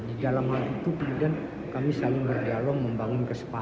di dalam hal itu kemudian kami saling berdialog membangun kesepakatan